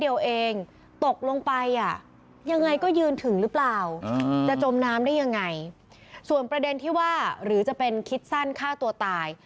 ยังไงส่วนประเด็นที่ว่าหรือจะเป็นคิดสั้นฆ่าตัวตาย